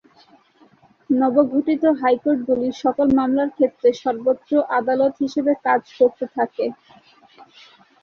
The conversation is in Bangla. নবগঠিত হাইকোর্ট গুলি সকল মামলার ক্ষেত্রে সর্বোচ্চ আদালত হিসেবে কাজ করতে থাকে।